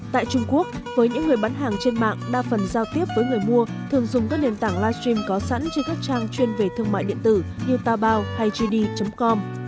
tại trung quốc với những người bán hàng trên mạng đa phần giao tiếp với người mua thường dùng các nền tảng livestream có sẵn trên các trang chuyên về thương mại điện tử như taobao hay gd com